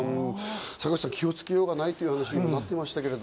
坂口さん、気をつけようがないという話もありましたが。